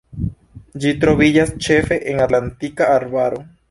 Ĝi troviĝas ĉefe en Atlantika arbaro.